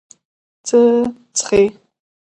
څه څښې؟